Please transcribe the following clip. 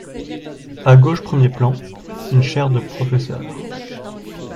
A gauche premier plan, une chaire de professeur.